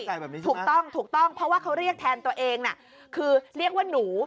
ใช่ถูกต้องเพราะว่าเขาเรียกแทนตัวเองนะคือเรียกว่าหนู